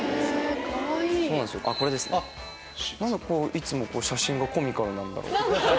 何でいつも写真がコミカルなんだろう。